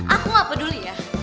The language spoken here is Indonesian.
aku gak peduli ya